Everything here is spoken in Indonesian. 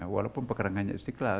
walaupun pergerakannya istiqlal